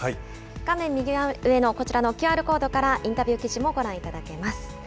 画面右上のこちらのＱＲコードからインタビュー記事もご覧いただけます。